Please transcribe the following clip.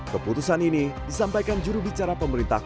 keputusan ini disampaikan juru bicara pemerintahnya